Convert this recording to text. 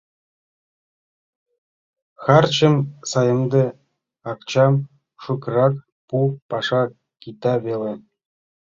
Харчым саемде, акчам шукырак пу — паша кита веле.